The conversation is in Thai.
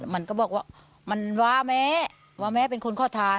มันก็บอกว่ามันว่าแม่ว่าแม่เป็นคนขอทาน